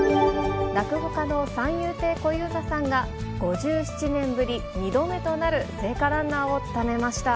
落語家の三遊亭小遊三さんが、５７年ぶり２度目となる聖火ランナーを務めました。